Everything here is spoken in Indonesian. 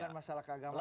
bukan masalah keagamaan